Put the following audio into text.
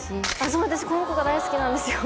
そう私この子が大好きなんですよ